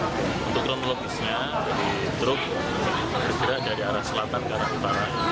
yang terlibatkan dua truk terserah dari arah selatan ke arah utara